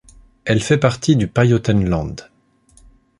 Elle fait partie du Pajottenland.